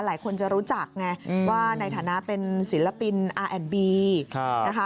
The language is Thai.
หลายคนจะรู้จักไงว่าในฐานะเป็นศิลปินอาแอนบีนะคะ